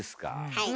はい。